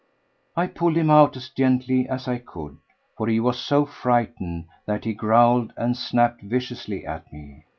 I pulled him out as gently as I could, for he was so frightened that he growled and snapped viciously at me.